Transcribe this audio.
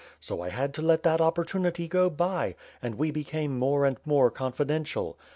So I had to let that opportunity go by, and we became more and more confidential.